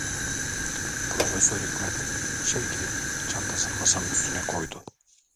Profesör Hikmet içeri girip çantasını masanın üstüne koydu.